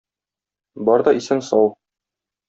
Бар да исән-сау.